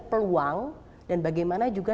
peluang dan bagaimana juga